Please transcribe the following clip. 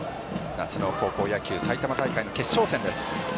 夏の高校野球埼玉大会の決勝戦です。